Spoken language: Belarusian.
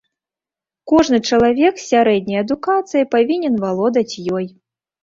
Кожны чалавек з сярэдняй адукацыяй павінен валодаць ёй.